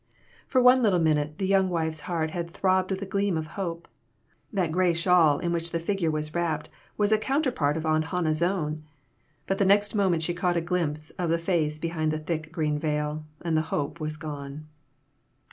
For one little minute the young wife's heart had throbbed with a gleam of hope; that gray shawl in which the figure was wrapped was a counterpart of Aunt Hannah's own ; but the next moment she caught a glimpse of the face behind the thick, green veil, and the hope was gone.